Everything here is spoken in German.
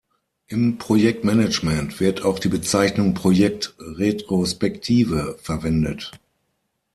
Im Projektmanagement wird auch die Bezeichnung Projekt-Retrospektive verwendet.